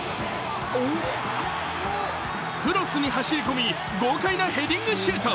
クロスに走り込み豪快なヘディングシュート。